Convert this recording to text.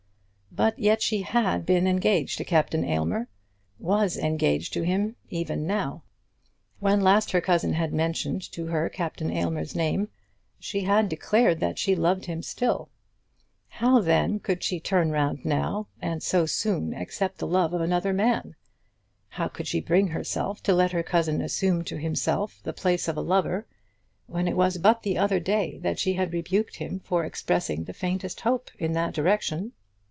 But yet she had been engaged to Captain Aylmer, was engaged to him even now. When last her cousin had mentioned to her Captain Aylmer's name she had declared that she loved him still. How then could she turn round now, and so soon accept the love of another man? How could she bring herself to let her cousin assume to himself the place of a lover, when it was but the other day that she had rebuked him for expressing the faintest hope in that direction?